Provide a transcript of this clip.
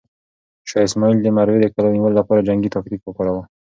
شاه اسماعیل د مروې کلا د نیولو لپاره جنګي تاکتیک وکاراوه.